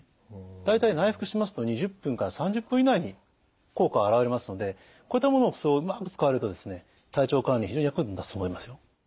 大体内服しますと２０分から３０分以内に効果が現れますのでこういったものをうまく使われると体調管理に非常に役に立つと思いますよ。